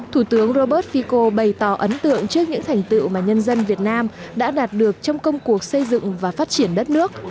thủ tướng robert fico bày tỏ ấn tượng trước những thành tựu mà nhân dân việt nam đã đạt được trong công cuộc xây dựng và phát triển đất nước